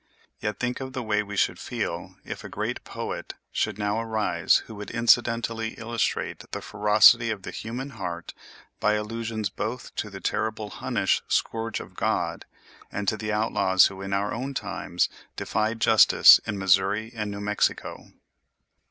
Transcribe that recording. Yet think of the way we should feel if a great poet should now arise who would incidentally illustrate the ferocity of the human heart by allusions both to the terrible Hunnish "scourge of God" and to the outlaws who in our own times defied justice in Missouri and New Mexico!